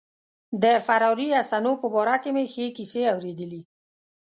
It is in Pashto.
د فراري حسنو په باره کې مې ښې کیسې اوریدلي.